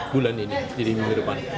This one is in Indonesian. jadi minggu depan